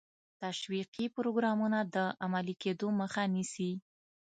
تشویقي پروګرامونو د عملي کېدو مخه نیسي.